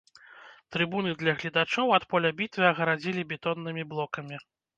Трыбуны для гледачоў ад поля бітвы агарадзілі бетоннымі блокамі.